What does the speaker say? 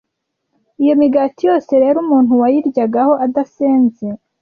iyo migati yose rero umuntu wayiryagaho adasenze